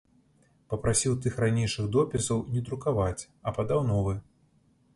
Папрасіў тых ранейшых допісаў не друкаваць, а падаў новы.